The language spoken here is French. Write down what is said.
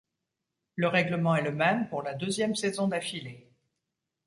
Le règlement est le même pour la deuxième saison d'affilée.